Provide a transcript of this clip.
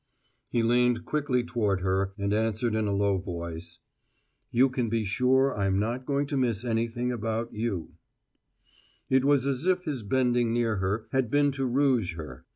He leaned quickly toward her and answered in a low voice: "You can be sure I'm not going to miss anything about you." It was as if his bending near her had been to rouge her.